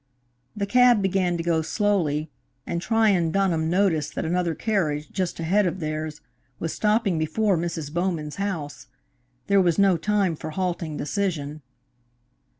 The cab began to go slowly, and Tryon Dunham noticed that another carriage, just ahead of theirs, was stopping before Mrs. Bowman's house. There was no time for halting decision.